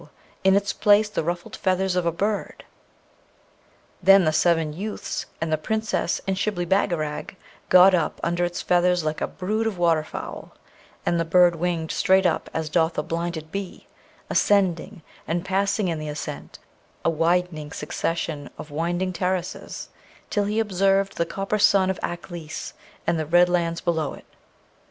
in its place the ruffled feathers of a bird. Then the seven youths and the Princess and Shibli Bagarag got up under its feathers like a brood of water fowl; and the bird winged straight up as doth a blinded bee, ascending, and passing in the ascent a widening succession of winding terraces, till he observed the copper sun of Aklis and the red lands below it.